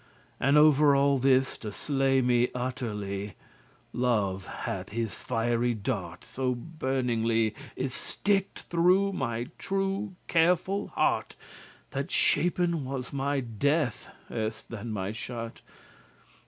And over all this, to slay me utterly, Love hath his fiery dart so brenningly* *burningly Y sticked through my true careful heart, That shapen was my death erst than my shert.